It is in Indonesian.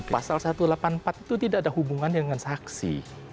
pasal satu ratus delapan puluh empat itu tidak ada hubungannya dengan saksi